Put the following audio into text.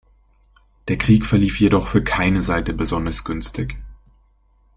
Der Krieg verlief jedoch für keine Seite besonders günstig.